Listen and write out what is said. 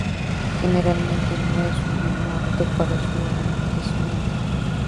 Generalmente, no es un vino apto para su envejecimiento.